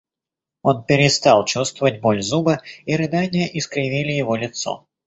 Он перестал чувствовать боль зуба, и рыдания искривили его лицо.